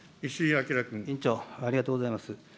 委員長、ありがとうございます。